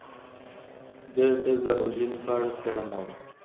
ده د ځان وژنې په اړه څیړنه وکړه.